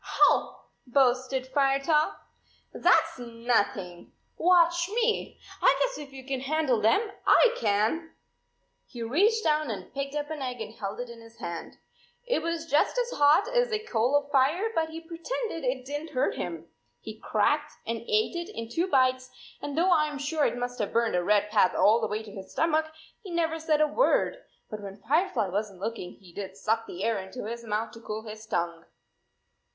" Ho," boasted Firetop, " that s nothing. Watch me ! I guess if you can handle them I can." He reached down and picked up an egg and held it in his hand. It was just 22 as hot as a coal of fire, but he pretended it didn t hurt him. He cracked and ate it in two bites, and though I m sure it must have burned a red path all the way to his stomach, he never said a word. But when Firefly was n t looking he did suck the air into his mouth to cool his tongue